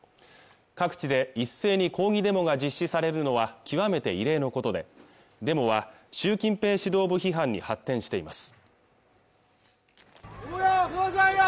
各地で一斉に抗議デモが実施されるのは極めて異例のことでデモは習近平指導部批判に発展しています